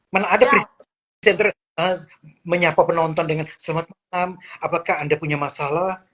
mana ada menyapa penonton dengan selamat malam apakah anda punya masalah